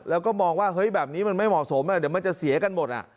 แล้วก็มองว่าเฮ้ยแบบนี้มันไม่เหมาะสมเดี๋ยวมันจะเสียกันหมด